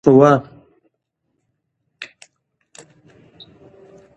سیاسي نظام د ټولنې نظم برابروي